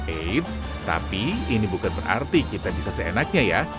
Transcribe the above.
eits tapi ini bukan berarti kita bisa seenaknya ya